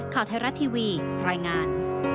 ข่าวไทยรัฐทีวีรายงาน